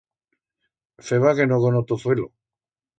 Feba que no con o tozuelo.